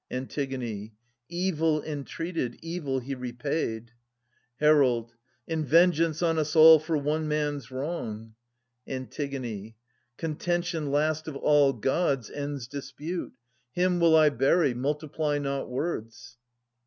Antigone. Evil entreated, evil he repaid — Herald. In vengeance on us all for one man's wrong ! 1050 Antigone. Contention last of all Gods ends dispute. Him will I bury : multiply not words.